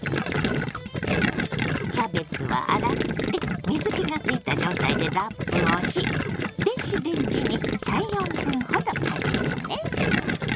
キャベツは洗って水けがついた状態でラップをし電子レンジに３４分ほどかけてね。